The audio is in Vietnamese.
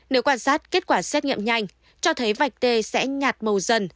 nếu quan sát kết quả xét nghiệm nhanh cho thấy vạch t sẽ nhạt màu dần